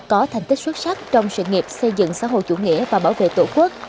có thành tích xuất sắc trong sự nghiệp xây dựng xã hội chủ nghĩa và bảo vệ tổ quốc